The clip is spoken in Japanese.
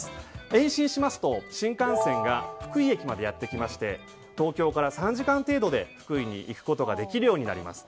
延伸しますと新幹線が福井駅までやってきまして東京から３時間程度で福井に行くことができるようになります。